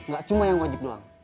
gak cuma yang wajib doang